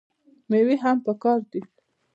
میوې هم پکار دي.